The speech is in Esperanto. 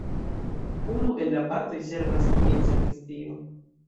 Unu el la partoj servas kiel sakristio.